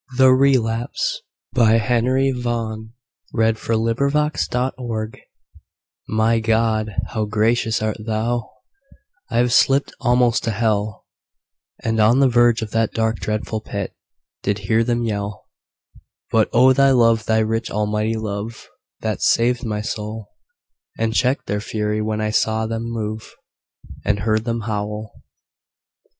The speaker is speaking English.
com Henry Vaughan. The Relapse. THE RELAPSE. by Henry Vaughan MY God, how gracious art Thou ! I had slipt Almost to hell, And on the verge of that dark, dreadful pit Did hear them yell ; But O Thy love ! Thy rich, almighty love, That sav'd my soul, And check'd their fury, when I saw them move, And heard them howl